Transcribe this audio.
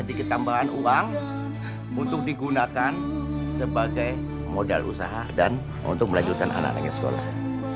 sedikit tambahan uang untuk digunakan sebagai modal usaha dan untuk melanjutkan anak anaknya sekolah